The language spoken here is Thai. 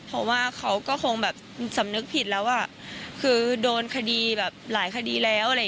เพราะว่าเขาก็คงแบบสำนึกผิดแล้วคือโดนคดีแบบหลายคดีแล้ว